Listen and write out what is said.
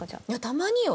たまによ。